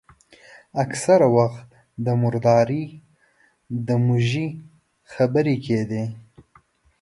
اکثره وخت د مردارۍ د موږي خبرې کېدې.